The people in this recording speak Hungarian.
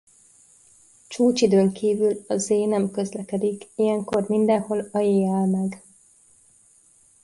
Csúcsidőn kívül a Z nem közlekedik ilyenkor mindenhol a J áll meg.